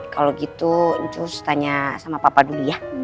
kalau gitu terus tanya sama papa dulu ya